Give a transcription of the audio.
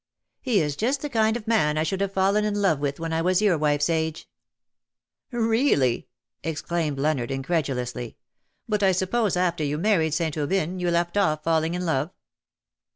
" He is just the kind of man I should have fallen in love with when I was your wife's age." " Really," exclaimed Leonard, incredulously. "But I suppose after you married St. Aubyn, you left off falling in love."